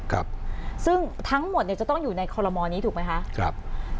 ครับซึ่งทั้งหมดเนี่ยจะต้องอยู่ในคอลโมนี้ถูกไหมคะครับ